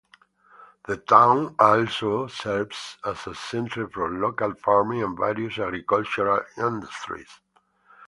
The town also serves as a centre for local farming and various agricultural industries.